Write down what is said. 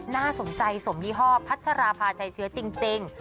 น่าสนใจสมยี่ห้อพัชราภาชัยเชื้อจริง